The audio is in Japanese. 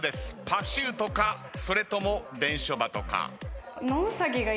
パシュートかそれとも伝書バトか。